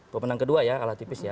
pemenang kedua ya ala tipis ya